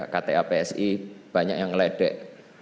kta psi banyak yang meledek